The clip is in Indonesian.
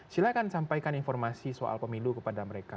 silahkan sampaikan informasi soal pemilu kepada mereka